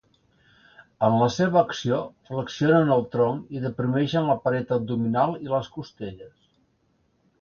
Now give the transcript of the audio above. En la seva acció, flexionen el tronc i deprimeixen la paret abdominal i les costelles.